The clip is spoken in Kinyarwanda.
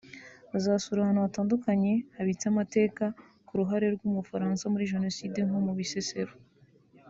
Bazasura ahantu hatandukanye habitse amateka ku ruhare rw’u Bufaransa muri jenoside nko mu Bisesero